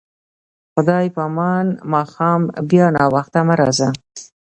خدای په امان، ماښام بیا ناوخته مه راځه.